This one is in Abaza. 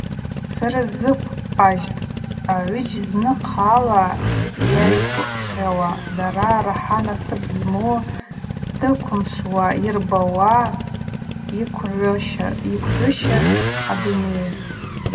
Сырзыгвъаджьтӏ агӏвыджь - зны хъала йайгвгъауа, дара рахӏа насып зму дыквымшва йырбауа йыквгвыщаз адунай.